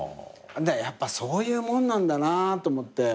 やっぱそういうもんなんだなと思って。